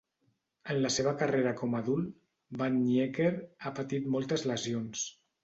En la seva carrera com a adult, Van Niekerk ha patit moltes lesions.